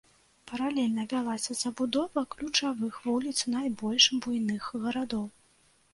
Паралельна вялася забудова ключавых вуліц найбольш буйных гарадоў.